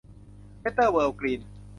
เบตเตอร์ เวิลด์ กรีน